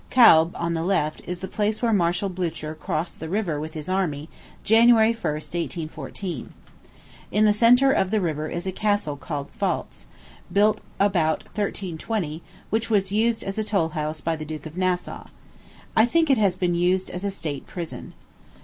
Caub, on the left, is the place where Marshal Blucher crossed the river with his army, January 1, 1814. In the centre of the river is a castle called Pfalz, built about 1320, which was used as a toll house by the Duke of Nassau. I think it has been used as a state prison.